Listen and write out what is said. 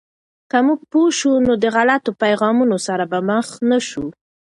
که موږ پوه شو، نو د غلطو پیغامونو سره به مخ نسو.